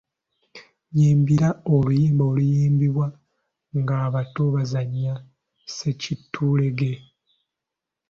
Nnyimbira oluyimba oluyimbibwa ng'abato bazannya ssekitulege.